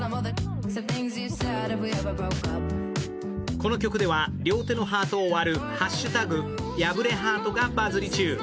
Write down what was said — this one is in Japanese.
この曲では、両手のハートを割る「＃破れハート」がバズり中。